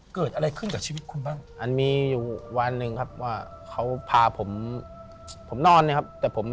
คิดตัวคุณช็อตเลยเหรอครับกันนะครับ